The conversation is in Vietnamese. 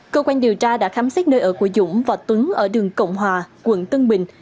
cơ quan điều tra đã khám xét nơi ở của dũng và tuấn ở đường cộng hòa quận tân bình